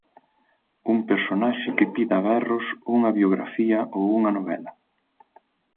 un personaxe que pide a berros unha biografía ou unha novela.